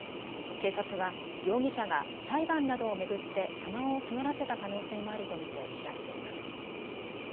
警察は容疑者が裁判などを巡って不満を募らせた可能性もあると見て調べています。